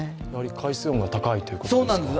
海水温が高いということですか？